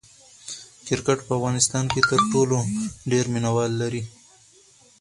کرکټ په افغانستان کې تر ټولو ډېر مینه وال لري.